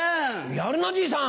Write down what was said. やるなじいさん。